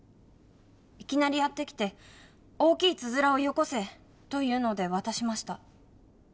いきなりやって来て「大きいつづらをよこせ」と言うので渡しました。